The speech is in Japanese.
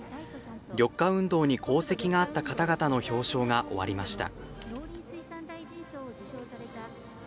緑化運動に功績があった方々の表彰が終わりました。